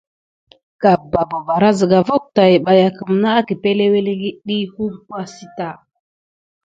Gabaga ɓɑɓɑrɑ kelba site ototuhe nà wature kusuhobi kasa maylni wukedé hubosita.